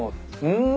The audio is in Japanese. うん。